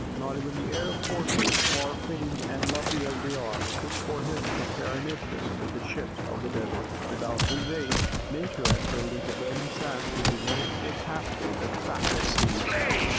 Not even the Arab Horses, far famed and lovely as they were, could for him compare in interest with the "ships of the desert," without whose aid, Nature had told him the burning sands would be more impassable than tractless seas.